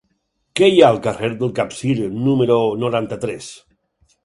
Què hi ha al carrer del Capcir número noranta-tres?